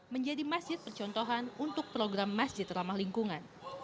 menjadi masjid percontohan untuk program masjid ramah lingkungan